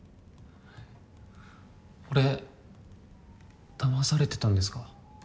俺だまされてたんですか？